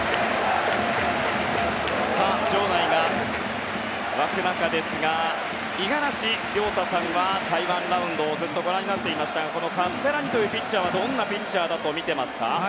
場内が沸く中ですが五十嵐亮太さんは台湾ラウンドをずっとご覧になっていましたがカステラニというピッチャーはどんなピッチャーだと見ていますか？